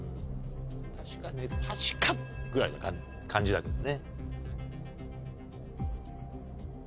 確か確かぐらいの感じだけどね。